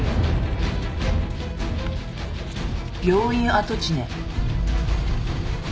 病院跡地ね。